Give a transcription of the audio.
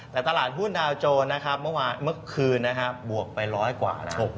แต่ตลาดหุ้นดาวโจรเมื่อคืนบวกไป๑๐๐กว่า